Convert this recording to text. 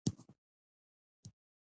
اختصار مانا؛ کوچنی کول.